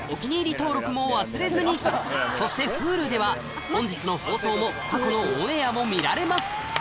登録も忘れずにそしてＨｕｌｕでは本日の放送も過去のオンエアも見られます